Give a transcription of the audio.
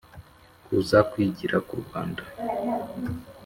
Kuza kwigira k u rwanda